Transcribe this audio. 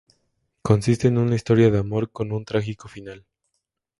Consiste en una historia de amor con un trágico final.